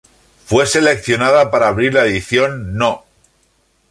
Fue seleccionada para abrir la edición No.